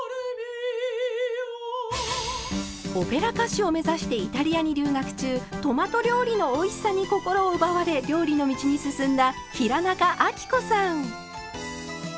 オペラ歌手を目指してイタリアに留学中トマト料理のおいしさに心を奪われ料理の道に進んだ平仲亜貴子さん。